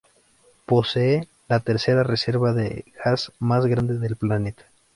Posee la tercera reserva de gas más grande del planeta.